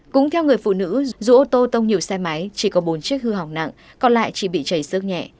cũng theo người phụ nữ dù ô tô tông nhiều xe máy chỉ có bốn chiếc hư hỏng nặng còn lại chỉ bị chảy xước nhẹ